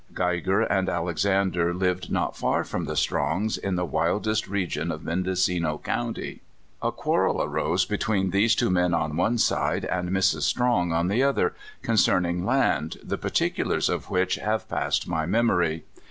Geiger and Alexander lived not far from the Strongs, in the wildest region of Mendocino County. A quarrel arose between these two men on one side, and Mrs. Strong on the other, concerning land, the particulars of which have passed my memory.